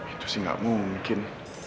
itu sih nggak mungkin